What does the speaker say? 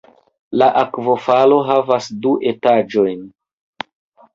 La akvofalo havas du etaĝojn.